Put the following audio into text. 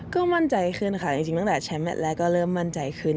ก็มั่นใจขึ้นค่ะจริงตั้งแต่แชมป์แมทแรกก็เริ่มมั่นใจขึ้น